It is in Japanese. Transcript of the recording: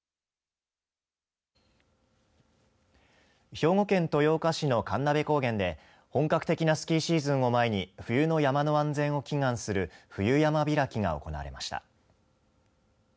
兵庫県豊岡市の神鍋高原で本格的なスキーシーズンを前に冬の山の安全を祈願する冬山開きが行われました。